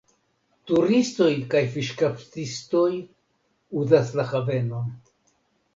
Turistoj kaj fiŝkaptistoj uzas la havenon.